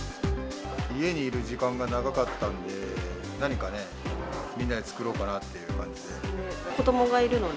家にいる時間が長かったんで、何かね、みんなで作ろうかなっていう感じで。